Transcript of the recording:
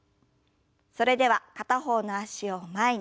それでは片方の脚を前に。